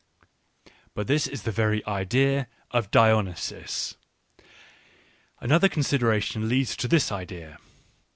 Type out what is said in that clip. But this is the very idea of Dionysus. Another consideration leads to this idea.